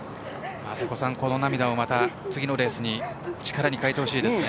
この涙を次のレースで力に変えてほしいです。